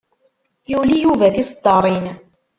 Yuli Yuba tiseddaṛin.